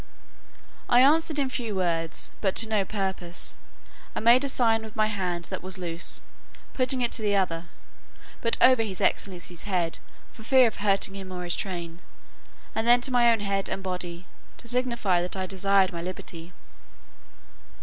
I answered in few words, but to no purpose, and made a sign with my hand that was loose, putting it to the other (but over his excellency's head for fear of hurting him or his train) and then to my own head and body, to signify that I desired my liberty.